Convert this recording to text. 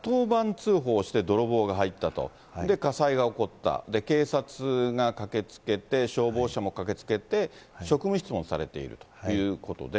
通報して、泥棒が入ったと、そして火災が起こった、警察が駆けつけて、消防車も駆けつけて、職務質問されているということで。